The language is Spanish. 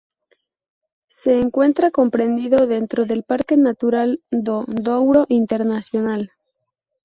Se encuentra comprendido dentro del Parque Natural do Douro Internacional.